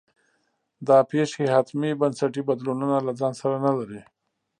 دا پېښې حتمي بنسټي بدلونونه له ځان سره نه لري.